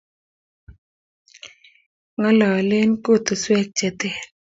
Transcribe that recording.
ng'ololen koteswek che ter.